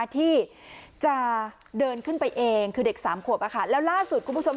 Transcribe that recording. ที่จะเดินขึ้นไปเองคือเด็กสามขวบแล้วล่าสุดคุณผู้ชม